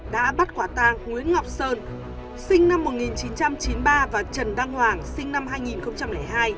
đã bắt quả tang nguyễn ngọc sơn sinh năm một nghìn chín trăm chín mươi ba và trần đăng hoàng sinh năm hai nghìn hai